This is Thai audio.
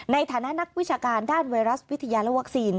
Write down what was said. ในฐานะนักวิชาการด้านไวรัสวิทยาและวัคซีน